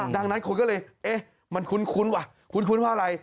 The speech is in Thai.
ดังนั้นคนก็เลยเอ๊ะมันคุ้นว่ะคุ้นว่าอะไร